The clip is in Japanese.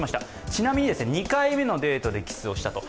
ちなみに、２回目のデートでキスをしたと。